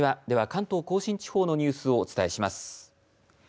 では関東甲信地方のニュースをお伝えします。